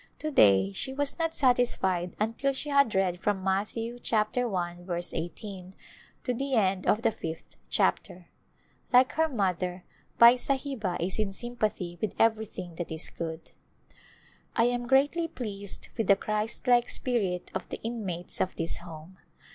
To day she was not satis fied until she had read from Matthew I : i8 to the end of the fifth chapter. Like her mother Bai Sahiba is in sympathy with everything that is good. I am greatly pleased with the Christlike spirit of the inmates of this Home.